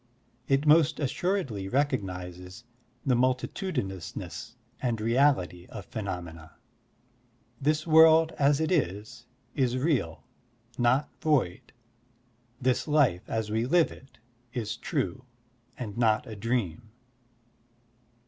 It most assuredly recognizes the multitudinousness and reality of phenomena. This world as it is, is real, not void. This life as we live it, is true, and not a dream.